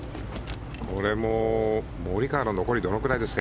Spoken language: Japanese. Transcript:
これもモリカワの残りどのくらいですか？